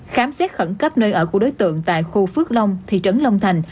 khám xét khẩn cấp nơi ở của đối tượng tại khu phước long thị trấn long thành